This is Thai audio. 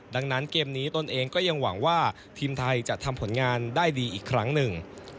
ดังนั้นเกมนี้ตนเองก็ยังหวังว่าทีมไทยจะทำผลงานได้ดีอีกครั้งหนึ่ง